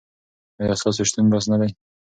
ایا ستا شتون بس نه دی؟